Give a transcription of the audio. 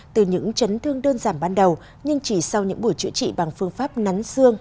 từ những chấn thương đơn giản ban đầu nhưng chỉ sau những buổi chữa trị bằng phương pháp nắn xương